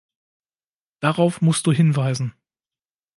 Darauf musst Du hinweisen!